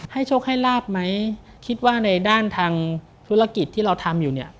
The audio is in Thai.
โชคให้ลาบไหมคิดว่าในด้านทางธุรกิจที่เราทำอยู่เนี่ย